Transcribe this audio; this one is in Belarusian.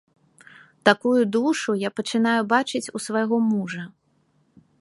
Такую душу я пачынаю бачыць у свайго мужа.